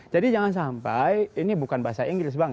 jadi jangan sampai ini bukan bahasa inggris bang